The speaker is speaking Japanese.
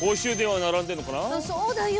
そうだよ。